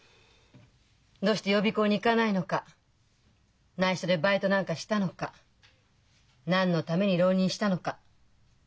どうして予備校に行かないのかないしょでバイトなんかしたのか何のために浪人したのか。